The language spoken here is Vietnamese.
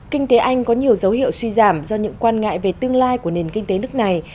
kinh tế anh có nhiều dấu hiệu suy giảm do những quan ngại về tương lai của nền kinh tế nước này